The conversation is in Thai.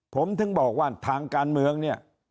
ผมถึงบอกว่าทางการเมืองเนี่ย